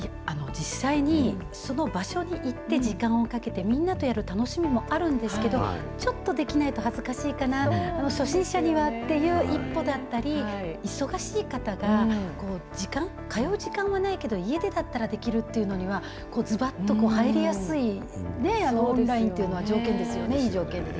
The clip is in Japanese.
実際に、その場所に行って時間をかけて、みんなとやる楽しみもあるんですけど、ちょっとできないと恥ずかしいかな、初心者にはっていう一歩だったり、忙しい方が時間、通う時間はないけど、家でだったらできるっていうのには、ずばっと入りやすいね、オンラインっていうのは、条件ですよね、いい条件で。